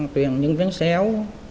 tuyển những viên xéo